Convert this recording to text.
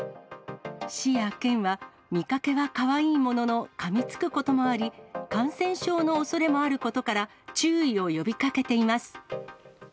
市や県は、見かけはかわいいものの、かみつくこともあり、感染症のおそれもあることから、注意を呼びかけています。